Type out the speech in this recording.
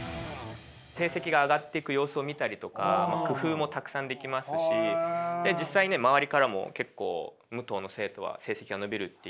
成績が上がっていく様子を見たりとか工夫もたくさんできますし実際ね周りからも結構武藤の生徒は成績が伸びるって。